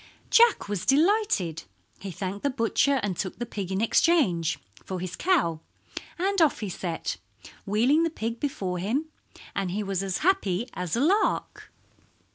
Jack was delighted. He thanked the butcher and took the pig in exchange for his cow, and off he set, wheeling the pig before him, and he was as happy as a lark.